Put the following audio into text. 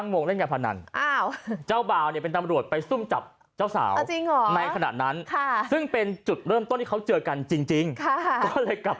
ไม่น่าเชื่อน่ารักอ่ะ